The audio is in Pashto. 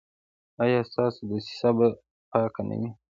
ایا ستاسو دوسیه به پاکه نه وي؟